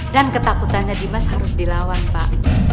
dan ketakutannya dimas harus dilawan pak